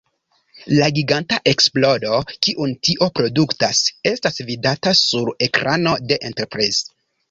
La giganta eksplodo, kiun tio produktas, estas vidata sur la ekrano de Enterprise.